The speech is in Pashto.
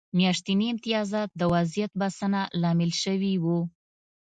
میاشتني امتیازات د وضعیت بسنه لامل شوي وو.